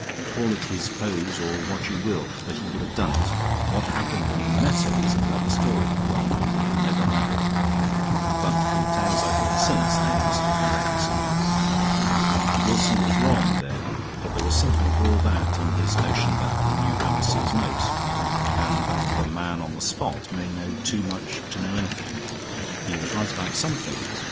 Call it his pose or what you will, but he would have done it. What happened when he met her is another story, and one we may never know, but from tales I've heard since, they must have been reconciled. Wilson was wrong there; but there was something, for all that, in his notion that the newcomer sees most, and that the man on the spot may know too much to know anything. He was right about some things.